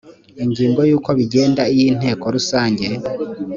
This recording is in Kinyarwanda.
ingingo ya uko bigenda iyo inteko rusange